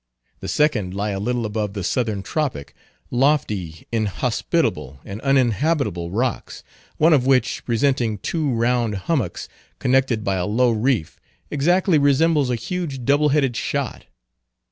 The second lie a little above the Southern Tropic; lofty, inhospitable, and uninhabitable rocks, one of which, presenting two round hummocks connected by a low reef, exactly resembles a huge double headed shot.